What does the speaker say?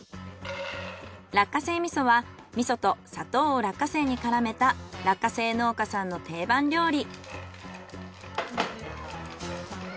落花生味噌は味噌と砂糖を落花生に絡めた落花生農家さんの定番料理。